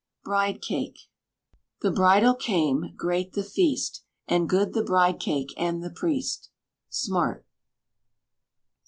BRIDE CAKE. The bridal came; great the feast, And good the bride cake and the priest. SMART.